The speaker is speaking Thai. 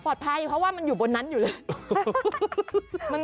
เพราะว่ามันอยู่บนนั้นอยู่เลย